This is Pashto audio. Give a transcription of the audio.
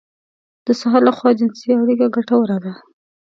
د سهار لخوا جنسي اړيکه ګټوره ده.